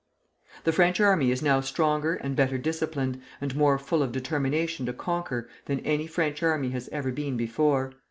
The French army is now stronger and better disciplined, and more full of determination to conquer, than any French army has ever been before.